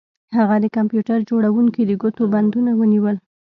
هغه د کمپیوټر جوړونکي د ګوتو بندونه ونیول